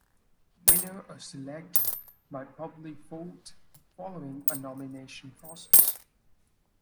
Winners are selected by public vote following a nominations process.